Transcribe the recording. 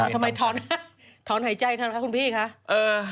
ทำไมท้อนหายใจท่านครับคุณพี่นะครับ